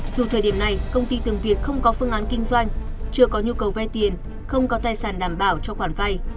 dù thời điểm này công ty tường việt không có phương án kinh doanh chưa có nhu cầu vay tiền không có tài sản đảm bảo cho khoản vay